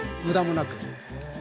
無駄もなく。